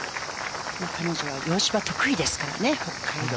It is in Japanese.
彼女は洋芝、得意ですからね。